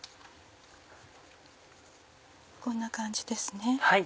こんな感じですね。